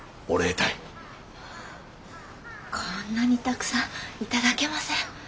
こんなにたくさん頂けません。